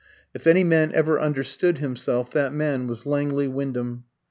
If any man ever understood himself, that man was Langley Wyndham.